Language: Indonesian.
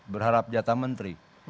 berharap jatah menteri